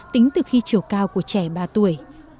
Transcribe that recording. tính từ khi chiều cao của trẻ ba tuổi